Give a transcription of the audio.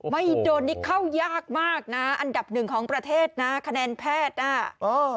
ไม่โดนนี่เข้ายากมากนะอันดับหนึ่งของประเทศนะคะแนนแพทย์อ่ะเออ